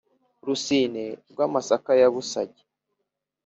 rusine rwa masaka ya busage,